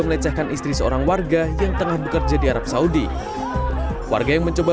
melecehkan istri seorang warga yang tengah bekerja di arab saudi warga yang mencoba